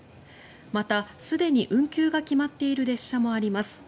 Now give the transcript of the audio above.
またすでに運休が決まっている列車もあります。